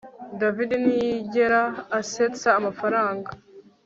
David ntiyigera asetsa amafaranga